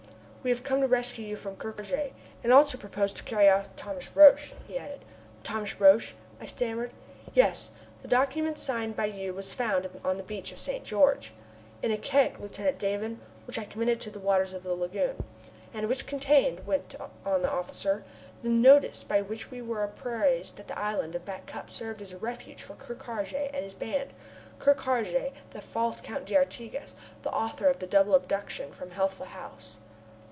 "We have come to rescue you from Ker Karraje, and also propose to carry off Thomas Roch," he added. "Thomas Roch?" I stammered. "Yes, the document signed by you was found on the beach at St. George " "In a keg, Lieutenant Davon, which I committed to the waters of the lagoon." "And which contained," went on the officer, "the notice by which we were apprised that the island of Back Cup served as a refuge for Ker Karraje and his band Ker Karraje, this false Count d'Artigas, the author of the double abduction from Healthful House."